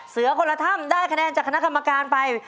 คนละถ้ำได้คะแนนจากคณะกรรมการไป